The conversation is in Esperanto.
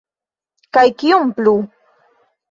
Kaj kion plu?